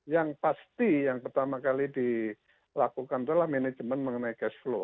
yang pasti yang pertama kali dilakukan adalah manajemen mengenai cash flow